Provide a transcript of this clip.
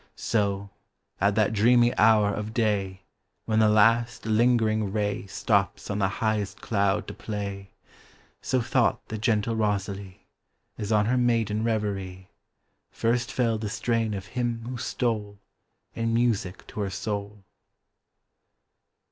So, at that dreamy hour of day, When the last lingering rayStops on the highest cloud to play,—So thought the gentle Rosalie, As on her maiden reverieFirst fell the strain of him who stoleIn music to her soul.